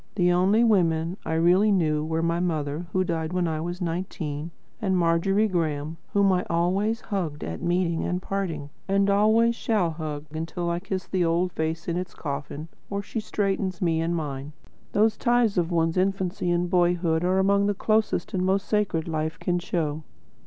The only women I really knew were my mother, who died when I was nineteen, and Margery Graem, whom I always hugged at meeting and parting, and always shall hug until I kiss the old face in its coffin, or she straightens me in mine. Those ties of one's infancy and boyhood are among the closest and most sacred life can show.